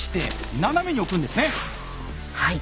はい。